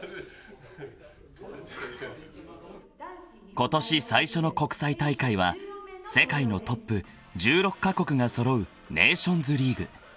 ［今年最初の国際大会は世界のトップ１６カ国が揃うネーションズリーグ］